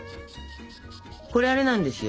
これあれなんですよ。